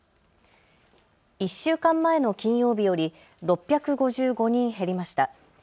１週間前の金曜日より６５５人減りました。